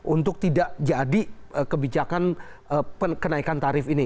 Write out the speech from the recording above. untuk tidak jadi kebijakan kenaikan tarif ini